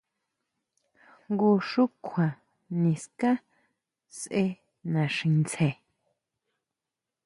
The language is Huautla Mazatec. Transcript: Jngu xú kjua niská sʼe naxi ntsje.